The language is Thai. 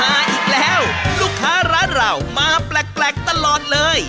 มาอีกแล้วลูกค้าร้านเรามาแปลกตลอดเลย